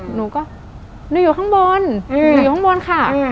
หนูก็หนูอยู่ข้างบนหนูอยู่ข้างบนค่ะ